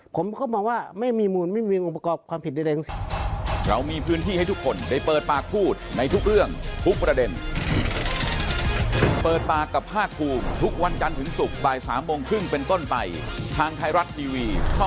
ผมก็มองว่าไม่มีมูลไม่มีวิวงประกอบความผิดใด